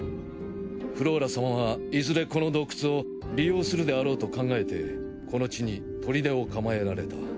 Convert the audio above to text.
フローラ様はいずれこの洞窟を利用するであろうと考えてこの地に砦を構えられた。